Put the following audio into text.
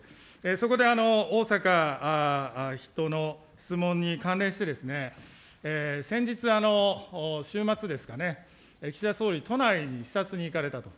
そこで逢坂筆頭の質問に関連して、先日、週末ですかね、岸田総理、都内に視察に行かれたと。